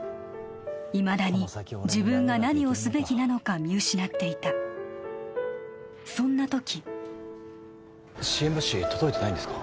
いまだに自分が何をすべきなのか見失っていたそんな時支援物資届いてないんですか？